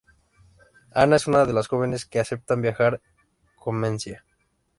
Ana es una de las jóvenes que aceptan viajar con Mencía.